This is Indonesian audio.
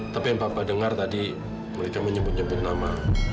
tapi yang bapak dengar tadi mereka menyebut nyebut nama